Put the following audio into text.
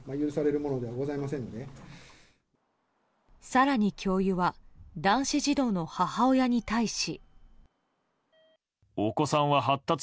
更に教諭は男子児童の母親に対し。